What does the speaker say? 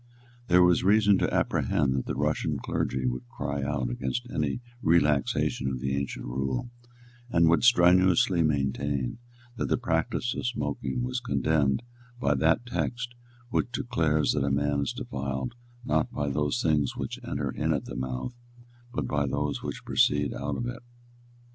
There was reason to apprehend that the Russian clergy would cry out against any relaxation of the ancient rule, and would strenuously maintain that the practice of smoking was condemned by that text which declares that man is defiled, not by those things which enter in at the mouth, but by those which proceed out of it.